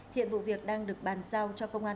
hiện vụ việc đang được bàn giao cho công an